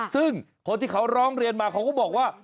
ซึ่งคนที่เขาร้องเรียนมาเขาก็บอกว่า